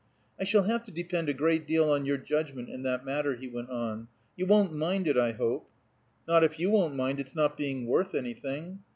"I shall have to depend a great deal on your judgment in that matter," he went on. "You won't mind it, I hope?" "Not if you won't mind it's not being worth anything."